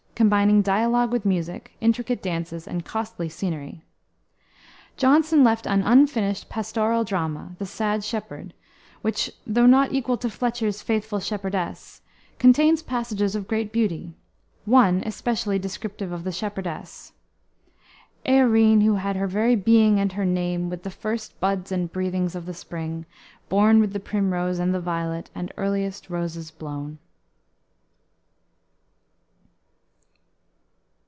combining dialogue with music, intricate dances, and costly scenery. Jonson left an unfinished pastoral drama, the Sad Shepherd, which, though not equal to Fletcher's Faithful Shepherdess, contains passages of great beauty, one, especially, descriptive of the shepherdess "Earine, Who had her very being and her name With the first buds and breathings of the spring, Born with the primrose and the violet And earliest roses blown."